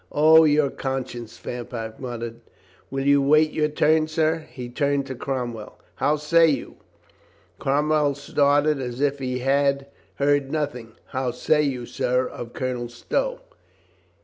"O, your conscience," Fairfax muttered. "Will you wait your turn, sir?" Pie turned to Cromwell. "How say you?" Cromwell started as if he had 436 COLONEL GREATHEART heard nothing. "How say you, sir, of Colonel Stow?"